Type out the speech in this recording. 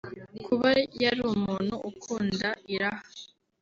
Kuba yari umuntu ukunda iraha